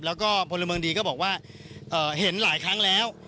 แล้วก็พลเมืองดีก็บอกว่าเห็นหลายครั้งแล้ว